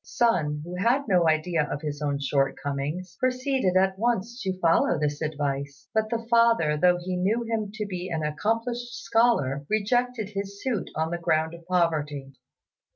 Sun, who had no idea of his own shortcomings, proceeded at once to follow this advice; but the father, though he knew him to be an accomplished scholar, rejected his suit on the ground of poverty.